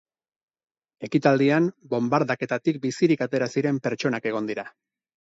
Ekitaldian, bonbardaketatik bizirik atera ziren pertsonak egon dira.